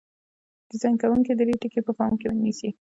ډیزاین کوونکي درې ټکي په پام کې نیسي.